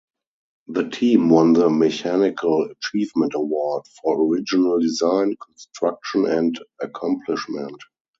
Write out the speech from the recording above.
The team won the Mechanical Achievement Award for original design, construction and accomplishment.